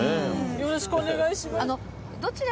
よろしくお願いします。